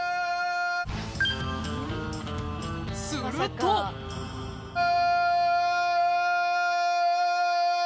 するとア！